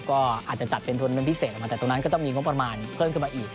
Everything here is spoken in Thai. ก็อาจจะจัดเป็นทุนเป็นพิเศษออกมาแต่ตรงนั้นก็ต้องมีงบประมาณเพิ่มขึ้นมาอีก